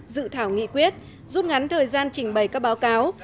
dự thảo nghị quyết rút ngắn thời gian trình bày các báo cáo